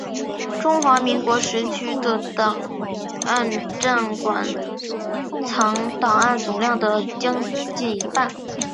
中华民国时期的档案占馆藏档案总量的将近一半。